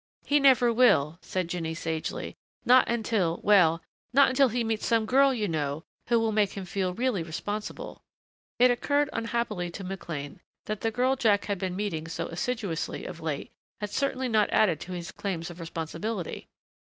"He never will," said Jinny sagely, "not until well, not until he meets some girl, you know, who will make him feel really responsible." It occurred unhappily to McLean that the girl Jack had been meeting so assiduously of late had certainly not added to his claims to responsibility!